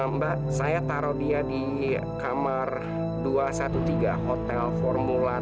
mbak saya taruh dia di kamar dua ratus tiga belas hotel formula dua